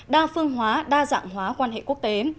đa phương hóa đa dạng hóa quan hệ quốc tế